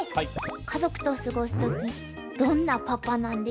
家族と過ごす時どんなパパなんですか？